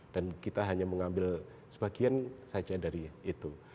dan kita hanya mengambil sebagian saja dari itu